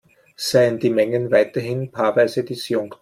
Seien die Mengen weiterhin paarweise disjunkt.